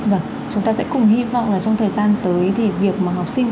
vâng chúng ta sẽ cùng hy vọng là trong thời gian tới thì việc mà học sinh